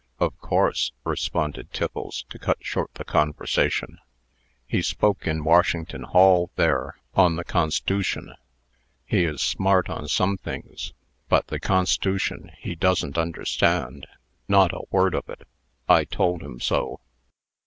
"Of course," responded Tiffles, to cut short the conversation. "He spoke in Washington Hall, there, on the Cons'tution. He is smart on some things, but THE CONS'TUTION he doesn't understand not a word of it. I told him so."